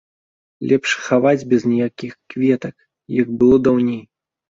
Лепш хаваць без ніякіх кветак, як было даўней.